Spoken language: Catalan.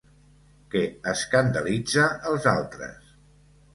Que escandalitza els altres.